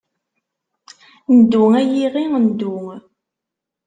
Ndu ay iɣi ndu.